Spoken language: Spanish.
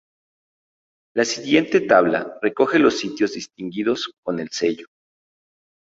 La siguiente tabla recoge los sitios distinguidos con el Sello.